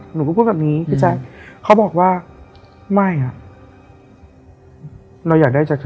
หนูก็พูดแบบนี้พี่แจ๊คเขาบอกว่าไม่อ่ะเราอยากได้จากเธอ